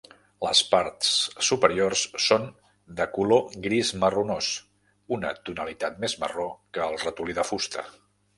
Les parts superiors són de color gris marronós; una tonalitat més marró que el ratolí de fusta.